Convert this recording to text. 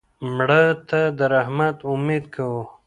مړه ته د رحمت امید کوو